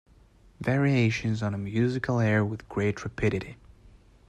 Variations on a musical air With great rapidity.